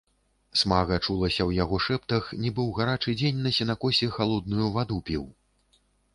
Смага чулася ў яго шэптах, нібы ў гарачы дзень на сенакосе халодную ваду піў.